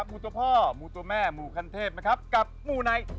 มูตัวพ่อมูตัวแม่มูคนเทพและมูไน